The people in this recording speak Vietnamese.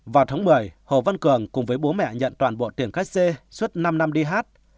vào tháng một mươi hồ văn cường cùng với bố mẹ nhận toàn bộ tiền khách c năm năm đi hát